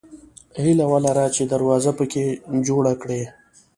هیله ولره چې دروازه پکې جوړه کړې.